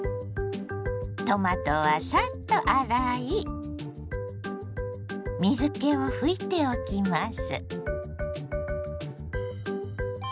トマトはサッと洗い水けを拭いておきます。